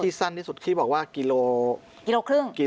ที่สั้นที่สุดคือบอกว่ากิโลครึ่ง